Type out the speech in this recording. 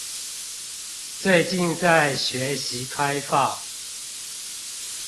最近在學習開放